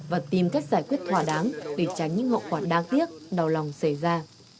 và tìm cách giải quyết thỏa đáng để tránh những hậu quả đáng tiếc đau lòng xảy ra